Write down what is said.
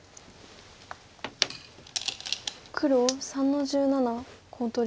黒３の十七コウ取り。